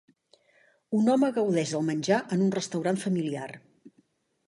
Un home gaudeix del menjar en un restaurant familiar